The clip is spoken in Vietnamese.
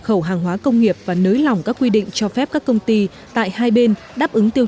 khẩu hàng hóa công nghiệp và nới lỏng các quy định cho phép các công ty tại hai bên đáp ứng tiêu